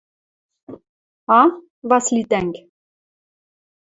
А, Васли тӓнг?